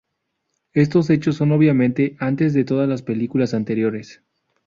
Estos hechos son obviamente antes de todas las películas anteriores.